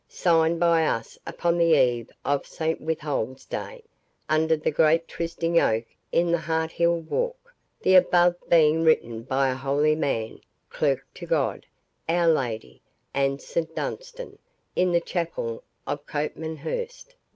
—Signed by us upon the eve of St Withold's day, under the great trysting oak in the Hart hill Walk, the above being written by a holy man, Clerk to God, our Lady, and St Dunstan, in the Chapel of Copmanhurst."